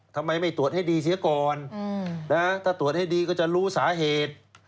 ทำไมไม่ตรวจให้ดีเสียก่อนถ้าตรวจให้ดีก็จะรู้สาเหตุ